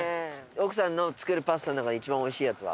奥さんの作るパスタの中で一番おいしいやつは？